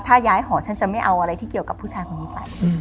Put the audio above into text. ถ้าย้ายหอฉันจะไม่เอาอะไรที่เกี่ยวกับผู้ชายคนนี้ไป